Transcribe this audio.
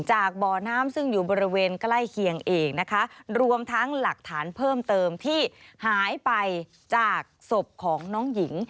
จากบ่อน้ำซึ่งอยู่บริเวณใกล้เคียงเองนะคะรวมทั้งหลักฐานเพิ่มเติมที่หายไปจากศพของน้องหญิง